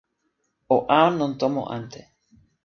o awen lon tomo ante.